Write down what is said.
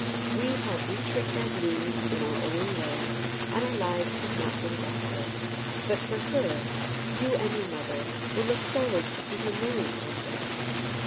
"We have retricked our beams in our own ways, and our lives have not been desolate. But for her, you and her mother will look forward to see her married some day."